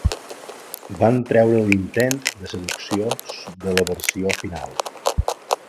Van treure l'intent de seducció de la versió final.